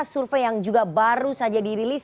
survei yang juga baru saja dirilis